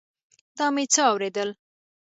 دا مې څه اورېدل.